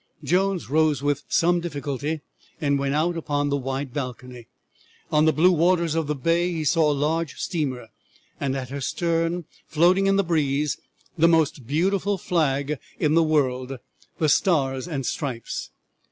Jones rose with some difficulty and went out upon the wide balcony. On the blue waters of the bay he saw a large steamer, and at her stern, floating in the breeze, the most beautiful flag in the world, the Stars and Stripes.